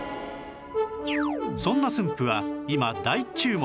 そんな駿府は今大注目！